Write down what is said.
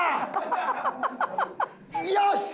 よし！